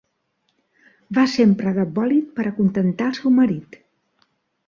Va sempre de bòlit per acontentar el seu marit.